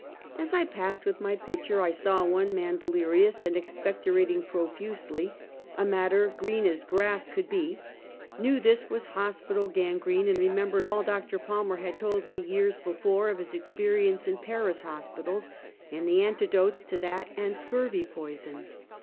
As I passed, with my pitcher, I saw one man dele rious, and expectorating, profusely, a matter green as grass could be — knew this was hospital gangrene, and remembered all Dr. Palmer had told me years before, of his experience in Paris hospitals, and the antidotes to that and scurvey poison.